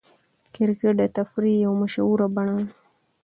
کرکټ د تفریح یوه مشهوره بڼه ده.